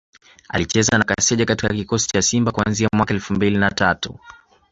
Alicheza na Kaseja katika kikosi cha Simba kuanzia mwaka elfu mbili na tatu